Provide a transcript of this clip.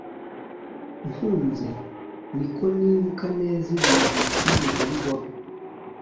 nkuze, niko nibuka neza ibintu bitigeze bibaho